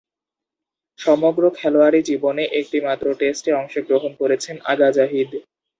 সমগ্র খেলোয়াড়ী জীবনে একটিমাত্র টেস্টে অংশগ্রহণ করেছেন আগা জাহিদ।